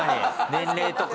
年齢とか。